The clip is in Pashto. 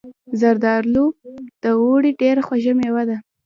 زردالو د اوړي ډیره خوږه میوه ده.